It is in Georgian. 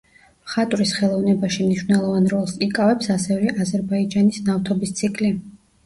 მხატვრის ხელოვნებაში მნიშვნელოვან როლს იკავებს ასევე აზერბაიჯანის ნავთობის ციკლი.